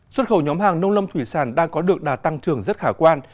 xuất khẩu nhóm hàng nông lâm thủy sản đang có được đà tăng trưởng rất khả quan